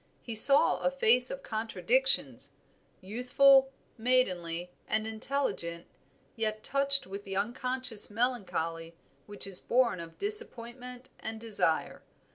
He saw a face full of contradictions, youthful, maidenly, and intelligent, yet touched with the unconscious melancholy which is born of disappointment and desire.